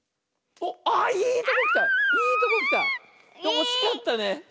おしかったね。